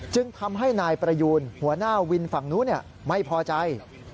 จึงทำให้นายประยูนหัวหน้าวินฝั่งนู้นไม่พอใจ